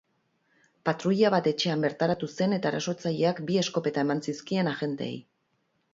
Patruila bat etxean bertaratu zen eta erasotzaileak bi eskopeta eman zizkien agenteei.